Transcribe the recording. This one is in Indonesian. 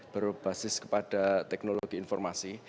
berbasis kepada teknologi informasi